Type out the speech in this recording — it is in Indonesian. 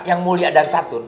yang mulia dan santun